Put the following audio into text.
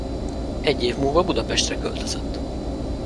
Egy év múlva Budapestre költözött.